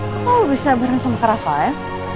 kok kamu bisa bareng sama karafa ya